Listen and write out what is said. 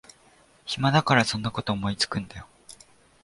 暇だからそんなこと思いつくんだよ